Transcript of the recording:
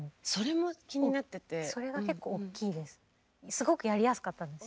すごくやりやすかったんです。